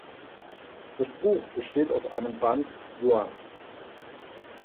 Das Buch besteht aus einem Band ("juan").